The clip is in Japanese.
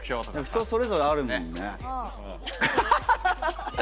人それぞれあるもんね。